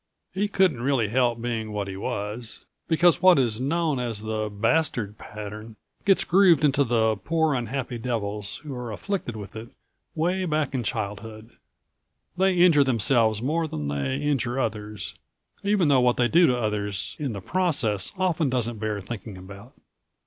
He couldn't really help being what he was, because what is known as the bastard pattern gets grooved into the poor unhappy devils who are afflicted with it way back in childhood. They injure themselves more than they injure others, even though what they do to others in the process often doesn't bear thinking about.